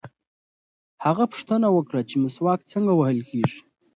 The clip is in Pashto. هغه پوښتنه وکړه چې مسواک څنګه وهل کېږي.